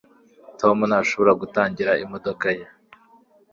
tom ntashobora gutangira imodoka ye